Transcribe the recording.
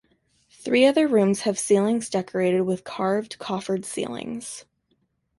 Three other rooms have ceilings decorated with carved coffered ceilings.